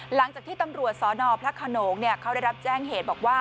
หลังจากที่ตำรวจสนพระขนงเขาได้รับแจ้งเหตุบอกว่า